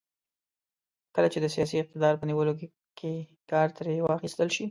کله چې د سیاسي اقتدار په نیولو کې کار ترې واخیستل شي.